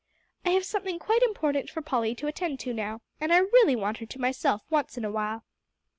"I have something quite important for Polly to attend to now; and I really want her to myself once in a while."